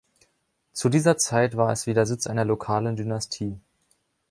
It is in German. Zu dieser Zeit war es wieder Sitz einer lokalen Dynastie.